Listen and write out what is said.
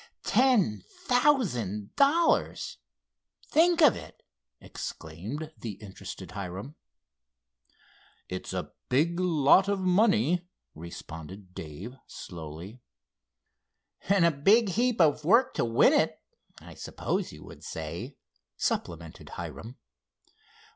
"Ten thousand dollars—think of it!" exclaimed the interested Hiram. "It's a big lot of money," responded Dave, slowly. "And a big heap of work to win it, I suppose you would say," supplemented Hiram.